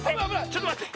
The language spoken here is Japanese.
ちょっとまって。